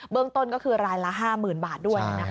เรื่องต้นก็คือรายละ๕๐๐๐บาทด้วย